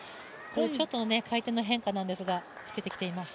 ちょっと回転の変化なんですが、つけてきています。